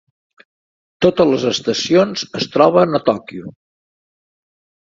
Totes les estacions es troben a Tòquio.